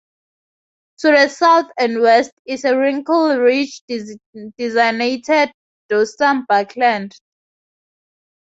To the south and west is a wrinkle ridge designated Dorsum Buckland.